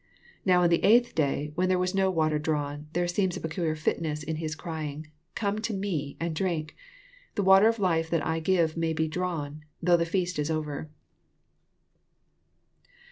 Now on the eighth day, whea there was no water drawn, there seems a pecallar fitness in His crying, —'< Come nnto me and drink. The water of life that I give may be drawn, though the feast is over.'